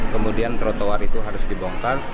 kemudian trotoar itu harus dibongkar